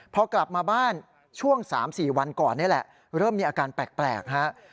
พอกลับมาบ้านช่วง๓๔วันก่อนนี่แหละเริ่มมีอาการแปลกฮะ